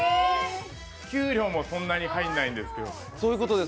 給料もそんなに入んないんですけど。